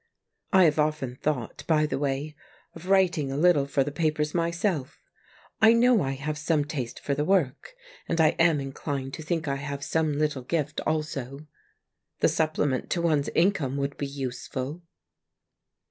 I have often thought, by the way, of writing a little for the papers myself I know I have some taste for the work, and I am inclined to think I have some little gift also. The supple ment to one's income would be useful.